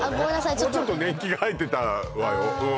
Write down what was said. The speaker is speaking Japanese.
ちょっともうちょっと年季が入ってたわよ